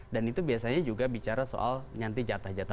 dan itu biasanya juga bicara soal nyanti jatah jatah